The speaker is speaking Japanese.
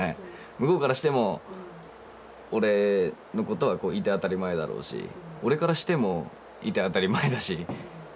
向こうからしても俺のことはいて当たり前だろうし俺からしてもいて当たり前だし。